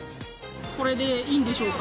これでいいんでしょうか？